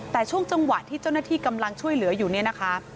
แต่ช่วงจังหวะที่เจ้าหน้าที่กำลังช่วยเหลืออยู่เนี่ยนะคะ